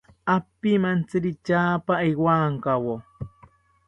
Apimantziri tyaapa ewankawo